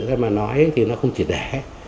nếu mà nói thì nó không chỉ đẻ